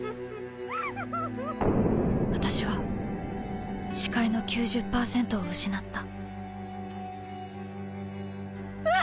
私は視界の９０％を失ったうわ！